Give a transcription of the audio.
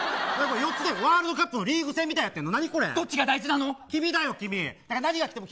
ワールドカップのリーグ戦みたいになってるの。